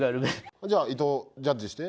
じゃあ伊藤ジャッジして。